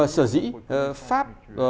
sở dĩ pháp